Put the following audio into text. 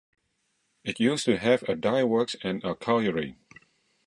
It used to have a dyeworks and a colliery.